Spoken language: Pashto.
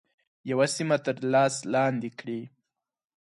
یوه سیمه تر لاس لاندي کړي.